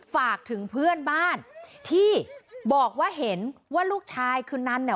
ฝากถึงเพื่อนบ้านที่บอกว่าเห็นว่าลูกชายคือนันเนี่ย